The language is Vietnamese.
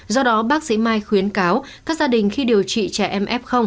do đó bác sĩ mai khuyến cáo các gia đình khi điều trị trẻ em f